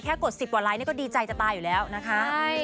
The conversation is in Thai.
กด๑๐กว่าไลค์ก็ดีใจจะตายอยู่แล้วนะคะ